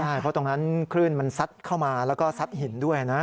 ใช่เพราะตรงนั้นคลื่นมันซัดเข้ามาแล้วก็ซัดหินด้วยนะ